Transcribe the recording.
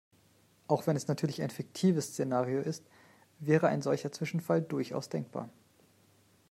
Auch wenn es natürlich ein fiktives Szenario ist, wäre ein solcher Zwischenfall durchaus denkbar.